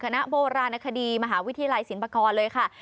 คณะโบราณคดีมหาวิทยาลัยศิลปกรณ์เลยค่ะ